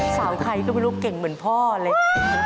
สาวไอ้ใครก็เป็นลูกเก่งเหมือนพ่อเลย